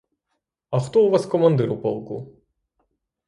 А хто у вас командир у полку?